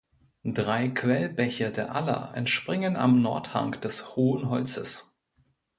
Drei Quellbäche der Aller entspringen am Nordhang des Hohen Holzes.